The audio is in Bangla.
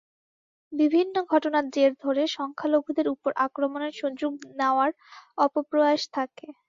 বিভিন্ন ঘটনার জের ধরে সংখ্যালঘুদের ওপর আক্রমণের সুযোগ নেওয়ার অপপ্রয়াস থাকে।